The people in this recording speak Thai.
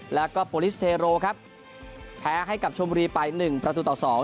แล้วก็ครับแพ้ให้กับประตูต่อสอง